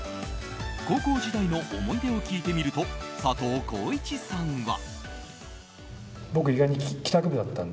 高校時代の思い出を聞いてみると佐藤浩市さんは。